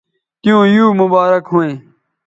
تیوں یو مبارک ھویں